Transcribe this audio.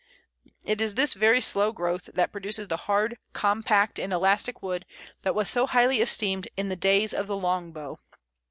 It is this very slow growth that produces the hard, compact, and elastic wood that was so highly esteemed in the days of the long bow.